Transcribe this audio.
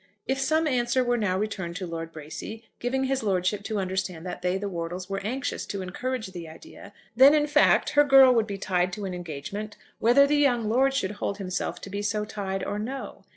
If some answer were now returned to Lord Bracy, giving his lordship to understand that they, the Wortles, were anxious to encourage the idea, then in fact her girl would be tied to an engagement whether the young lord should hold himself to be so tied or no!